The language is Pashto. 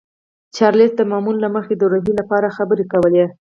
چارلیس د معمول له مخې د روحیې لپاره خبرې کولې